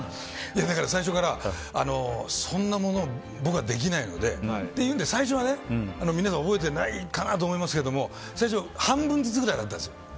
だから、最初からそんなもの僕はできないのでっていうので最初は、皆さん覚えてないかなと思いますけれども最初半分ずつくらいだったんです。